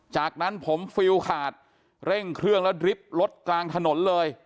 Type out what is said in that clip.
จากนั้นผมฟิลขาดเร่งเครื่องแล้วดริบรถกลางถนนเลย